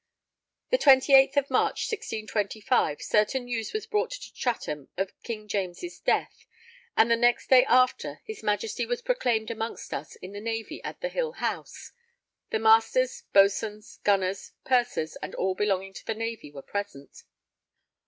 The 28th of March 1625, certain news was brought to Chatham of King James' death; and the next day after, his Majesty was proclaimed amongst us in the Navy at the Hill House; the Masters, Boatswains, Gunners, Pursers, and all belonging to the Navy were present.